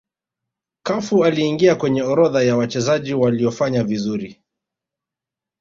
cafu aliingia kwenye orodha ya wachezaji waliofanya vizuri